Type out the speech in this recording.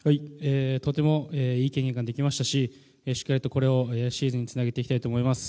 とてもいい経験ができましたししっかりとこれをシーズンにつなげていきたいと思います。